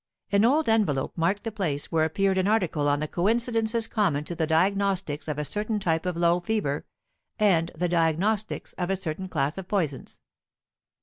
An old envelope marked the place where appeared an article on the coincidences common to the diagnostics of a certain type of low fever and the diagnostics of a certain class of poisons.